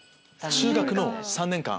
中学の３年間。